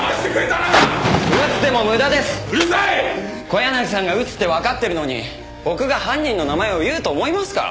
小柳さんが撃つってわかってるのに僕が犯人の名前を言うと思いますか？